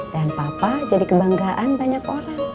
dan papa jadi kebanggaan banyak orang